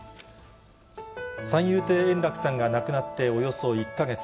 三遊亭円楽さんが亡くなっておよそ１か月。